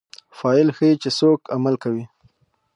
فاعل ښيي، چي څوک عمل کوي.